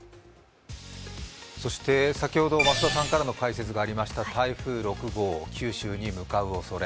そして先ほど増田さんからの解説がありました台風６号、九州に向かうおそれ。